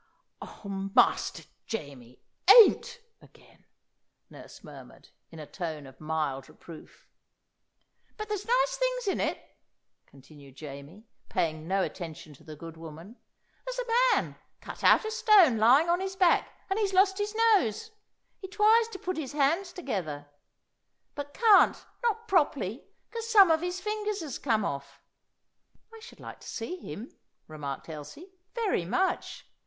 "Oh, Master Jamie, 'ain't' again!" nurse murmured, in a tone of mild reproof. "But there's nice things in it," continued Jamie, paying no attention to the good woman. "There's a man, cut out of stone, lying on his back, and he's lost his nose. He twies to put his hands together, but can't, not properly, 'cos some of his fingers has come off." "I should like to see him," remarked Elsie, "very much."